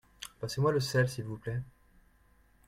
Passez-moi le sel s'il vous plait.